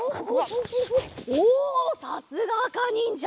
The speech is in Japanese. おおさすがあかにんじゃ。